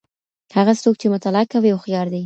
هغه څوک چي مطالعه کوي هوښیار دی.